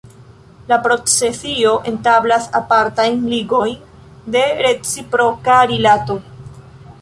La procesio establas apartajn ligojn de reciproka Rilato.